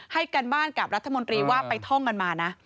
ให้การบ้านกับรัฐมนตรีว่าไปท่องกันมานะ